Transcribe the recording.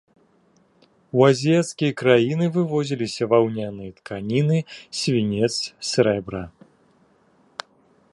У азіяцкія краіны вывозіліся ваўняныя тканіны, свінец, срэбра.